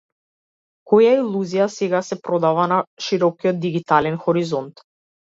Која илузија сега се продава на широкиот дигитален хоризонт?